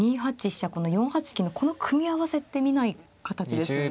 この４八金のこの組み合わせって見ない形ですよね。